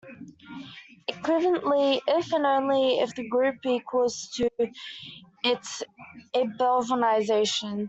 Equivalently, if and only if the group equals its abelianization.